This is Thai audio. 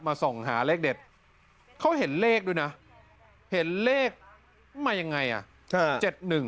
ส่องหาเลขเด็ดเขาเห็นเลขด้วยนะเห็นเลขมายังไงอ่ะ